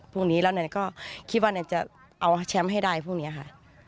พรุ่งนี้แล้วก็คิดว่าจะเอาแชมป์ให้ได้พรุ่งนี้ค่ะ